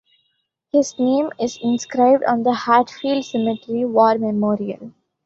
His name is inscribed on the Hatfield Cemetery War Memorial.